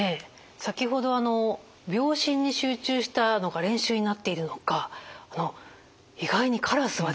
先ほど秒針に集中したのが練習になっているのか意外にカラスはですね